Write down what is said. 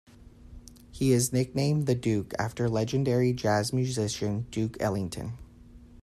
He is nicknamed "The Duke" after legendary jazz musician Duke Ellington.